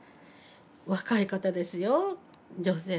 若い方ですよ女性のね。